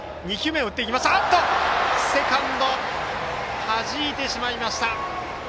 セカンド、はじいてしまった。